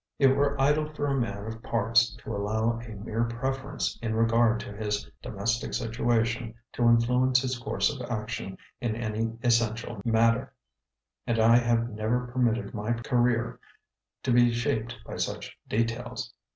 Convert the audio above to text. It were idle for a man of parts to allow a mere preference in regard to his domestic situation to influence his course of action in any essential matter, and I have never permitted my career to be shaped by such details.